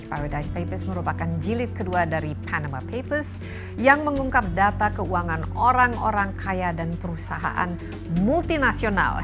paradise papers merupakan jilid kedua dari panama papers yang mengungkap data keuangan orang orang kaya dan perusahaan multinasional